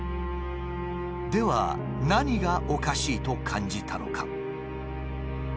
では何がおかしいと感じたのか。